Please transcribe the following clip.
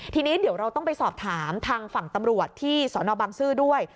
ทีนี้เดี๋ยวเราต้องไปสอบถามทางฝั่งตำรวจที่สนบังซื้อด้วย